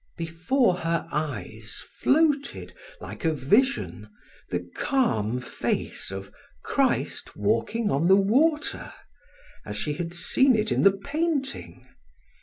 Before her eyes floated, like a vision, the calm face of "Christ Walking on the Water," as she had seen it in the painting.